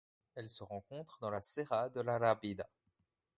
Elle se rencontre dans la Serra de l'Arrábida.